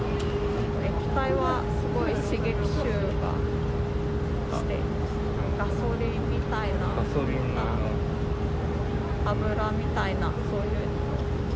液体は、すごい刺激臭がして、ガソリンみたいな、油みたいな、そういう。